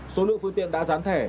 số lượng phương tiện đã gián thẻ